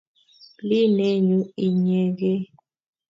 Ii nenyu inyegei